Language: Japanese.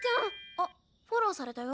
あフォローされたよ。